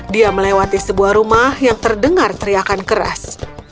dia melewati sebuah rumah yang terdengar teriakan keras